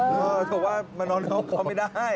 เออเขาบอกว่ามานอนในห้องพักไม่ได้